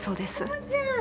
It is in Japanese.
友ちゃん！